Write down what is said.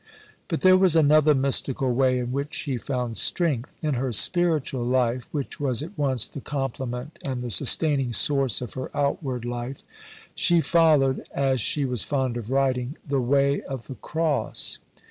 But there was another mystical way in which she found strength. In her spiritual life, which was at once the complement and the sustaining source of her outward life, she followed, as she was fond of writing, "the Way of the Cross."